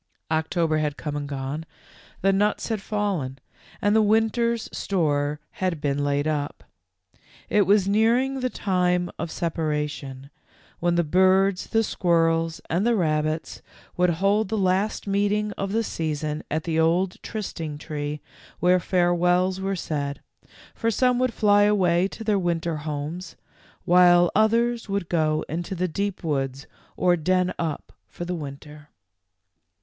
147 October had come and gone, the nuts had fallen^ and the winter's store had been laid up. It was nearing the time of separation, when the birds, the squirrels, and the rabbits would hold the last meeting of the season at the old trysting tree where farewells were said, for some would fly away to their winter homes, while others would go into the deep woods or den up for the winter.